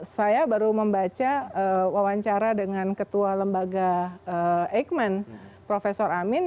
saya baru membaca wawancara dengan ketua lembaga eijkman prof amin